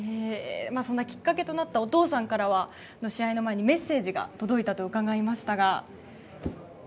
そんなきっかけとなったお父さんから、試合の前にメッセージが届いたと伺いましたが。